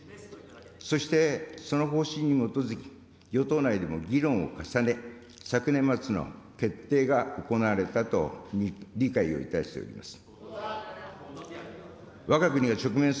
そして、その方針に基づき、与党内でも議論を重ね、昨年末の決定が行われたと、理解をいたしております。